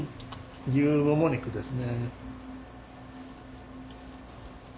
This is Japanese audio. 牛もも肉ですね。